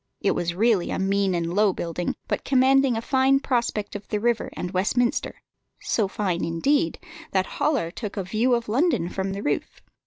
It was really a mean and low building, but commanding a fine prospect of the river and Westminster, so fine, indeed, that Hollar took a view of London from the roof.